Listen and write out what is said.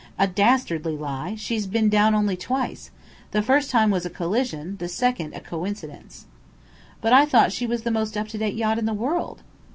"A dastardly lie. She's been down only twice. The first time was a collision, the second a coincidence." "But I thought she was the most up to date yacht in the world!"